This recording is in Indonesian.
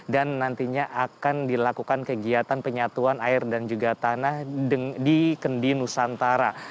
nantinya akan dilakukan kegiatan penyatuan air dan juga tanah di kendi nusantara